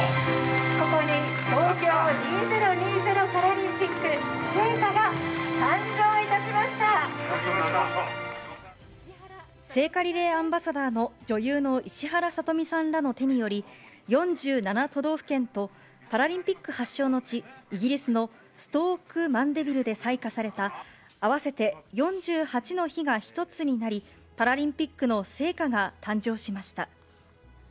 ここに東京２０２０パラリン聖火リレーアンバサダーの女優の石原さとみさんらの手により、４７都道府県とパラリンピック発祥の地、イギリスのストーク・マンデビルで採火された合わせて４８の火が一つになり、パラリンピックの聖火が誕生しました。